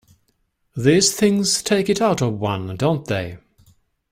These things take it out of one, don't they?